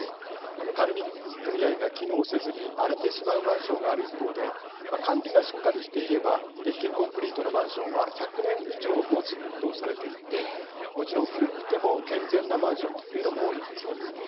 管理組合が機能せずに荒れてしまうマンションがある一方で管理が、しっかりしていれば鉄筋コンクリートのマンションは１００年以上もつとされていてもちろん古くても健全なマンションというのも多いんですね。